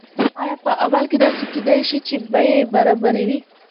آیا په عمل کې داسې کیدای شي چې بیې برابرې وي؟